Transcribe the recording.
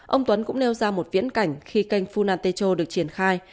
ông tuấn cũng nêu ra một viễn cảnh khi canh funatecho được triển khai